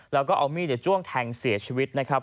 แล้วก็เอามีดจ้วงแทงเสียชีวิตนะครับ